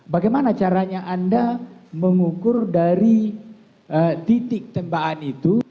bagaimana caranya anda mengukur dari titik tembakan itu